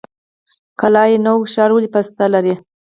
قلعه نو ښار ولې پسته لري؟